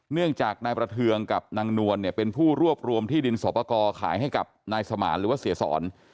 เนื่องจากนายประเทืองกับนางนวลเนี่ยเป็นผู้รวบรวมที่ดินสอบประกอบขายให้กับนายสมานหรือว่าเสียสอน